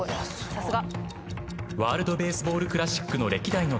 さすが。